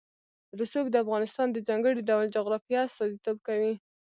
رسوب د افغانستان د ځانګړي ډول جغرافیه استازیتوب کوي.